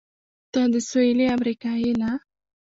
ته د سهېلي امریکا یې؟ نه.